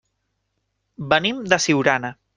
Venim de Siurana.